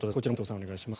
お願いします。